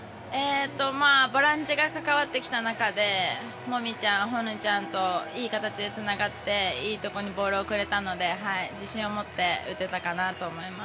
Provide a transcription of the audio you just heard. ボランチが関わってきた中でモミちゃん、ホノちゃんといい形でつながっていいところにボールをくれたので自信を持って打てたかなと思います。